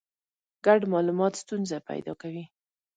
ګډ مالومات ستونزه پیدا کوي.